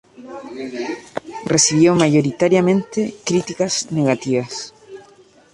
Recibió mayoritariamente críticas negativas.